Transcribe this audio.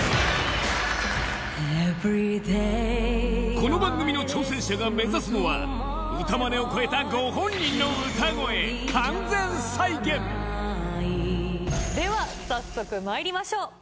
この番組の挑戦者が目指すのは歌マネを超えたご本人の歌声では早速まいりましょう。